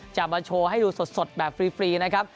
จะมาโชว์ให้ดูสดแบบฟรีนะครับ